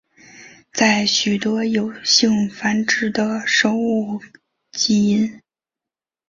在许多有性繁殖的生物的基因。